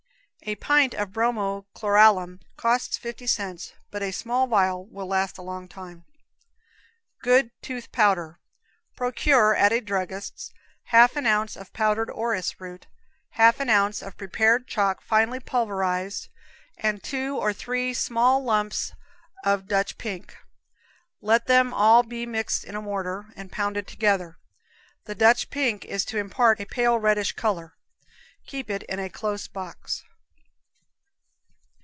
A pint of bromo chloralum costs fifty cents, but a small vial will last a long time. Good Tooth Powder. Procure, at a druggist's, half an ounce of powdered orris root, half an ounce of prepared chalk finely pulverized, and two or three small lumps of Dutch pink. Let them all be mixed in a mortar, and pounded together. The Dutch pink is to impart a pale reddish color. Keep it in a close box.